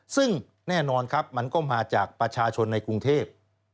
ซึ่งแน่นอนครับมันก็มาจากประชาชนในกรุงเทพ